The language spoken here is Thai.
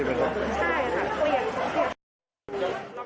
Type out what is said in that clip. ใช่ค่ะเครียด